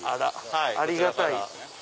ありがたい。